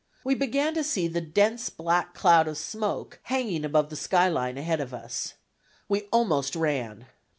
We began to see the dense black cloud of smoke hanging above the sky line ahead of us. We almost ran.